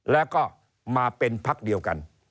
แล้วก็มาเป็นพักเดียวกัน